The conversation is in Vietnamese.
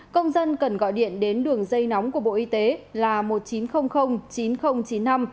công dân cần gọi điện đến đường dây nóng của bộ y tế là một nghìn chín trăm linh chín nghìn chín mươi năm